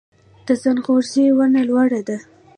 د ځنغوزي ونه لوړه ده